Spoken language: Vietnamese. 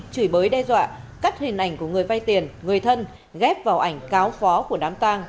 chửi bới đe dọa cắt hình ảnh của người vay tiền người thân ghép vào ảnh cáo khó của đám tang